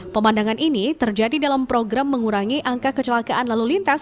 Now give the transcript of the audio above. pemandangan ini terjadi dalam program mengurangi angka kecelakaan lalu lintas